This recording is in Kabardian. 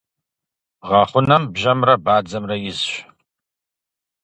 Гъэхъунэм бжьэмрэ бадзэмрэ изщ.